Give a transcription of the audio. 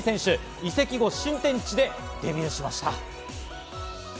移籍後、新天地でデビューしました。